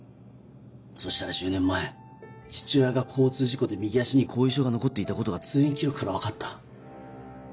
そしたら１０年前父親が交通事故で右足に後遺症が残っていたことが通院記録から分かった。